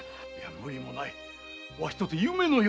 無理もないわしとて夢のようじゃ。